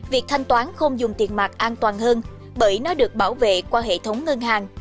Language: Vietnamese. việc thanh toán không dùng tiền mặt an toàn hơn bởi nó được bảo vệ qua hệ thống ngân hàng